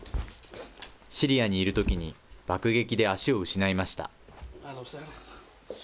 シリアにいるときに、爆撃で足を失いました。